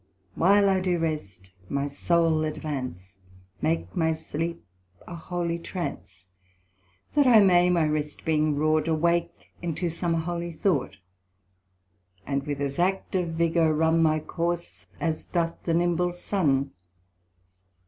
While I do rest, my Soul advance; Make my sleep a holy trance. That I may, my rest being wrought, Awake into some holy thought; And with as active vigour run My course, as doth the nimble Sun.